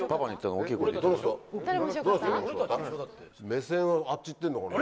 目線はあっち行ってんのかな。